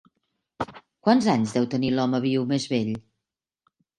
Quants anys deu tenir l'home viu més vell?